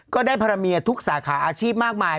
ก็ได้ภารเมียทุกสาขาอาชีพมากมาย